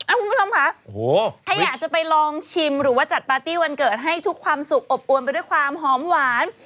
คุณผู้ชมค่ะถ้าอยากจะไปลองชิมหรือว่าจัดปาร์ตี้วันเกิดให้ทุกความสุขอบอวนไปด้วยความหอมหวาน